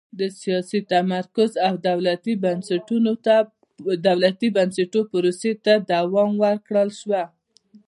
د سیاسي تمرکز او دولتي بنسټونو پروسې ته دوام ورکړل شوه.